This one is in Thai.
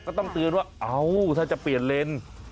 ก็ต้องเตือนว่าเอ้าถ้าจะเปลี่ยนเลน